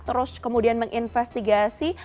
terus kemudian menginvestigasi